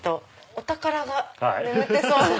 お宝が眠ってそう。